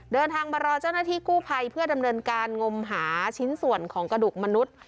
เดินทางมารอเจ้าหน้าที่กู้ภัยเพื่อดำเนินการงมหาชิ้นส่วนของกระดูกมนุษย์